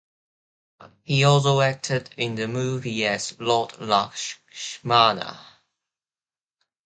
He also acted in the movie as Lord Lakshmana.